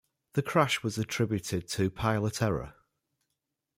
The crash was attributed to pilot error.